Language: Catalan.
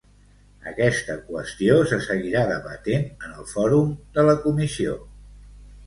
Aquesta qüestió se seguirà debatent en el fòrum de la comissió.